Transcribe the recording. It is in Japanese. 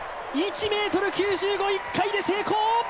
１ｍ９５、１回目で成功。